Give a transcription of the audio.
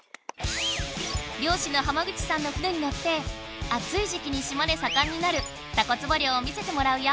漁師の濱口さんの船に乗ってあついじきに島でさかんになるタコツボ漁を見せてもらうよ！